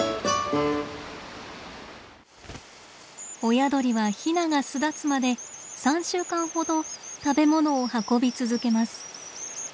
親鳥はヒナが巣立つまで３週間ほど食べ物を運び続けます。